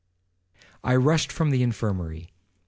'I rushed from the infirmary.